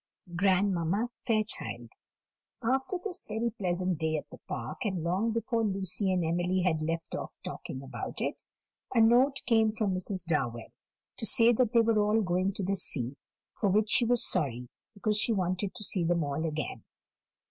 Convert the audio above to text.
said the old lady] After this very pleasant day at the park, and long before Lucy and Emily had left off talking about it, a note came from Miss Darwell, to say that they were all going to the sea, for which she was sorry, because she wanted to see them all again.